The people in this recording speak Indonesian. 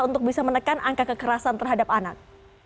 untuk bisa menekan angka kekerasan terhadap anak